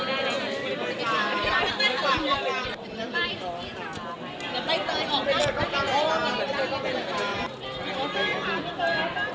เอียงนะ